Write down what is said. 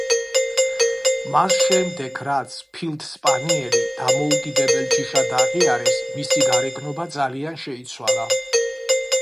მას შემდეგ რაც ფილდ-სპანიელი დამოუკიდებელ ჯიშად აღიარეს, მისი გარეგნობა ძალიან შეიცვალა.